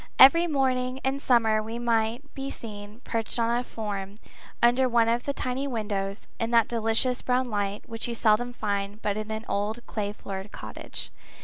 Every morning in summer we might be seen perched on a form, under one of the tiny windows, in that delicious brown light which you seldom find but in an old clay floored cottage.